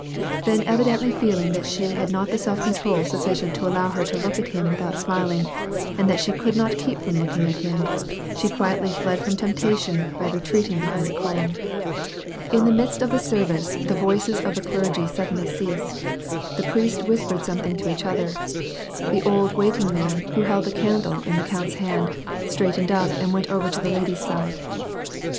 Then evidently feeling that she had not the self control sufficient to allow her to look at him without smiling, and that she could not keep from looking at him, she quietly fled from temptation by retreating behind a column. WAR AND PEACE. 95 In the midst of the service the voices of the clergy sud denly ceased, the priests whispered something to each other ; the old \^'aitiug man who held the candle in the count's hand, straightened up and went over to the ladies' side.